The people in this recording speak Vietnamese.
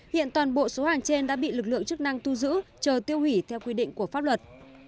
hiện toàn bộ số hàng trên đã bị lực lượng chức năng thu giữ chờ tiêu hủy theo quy định của pháp luật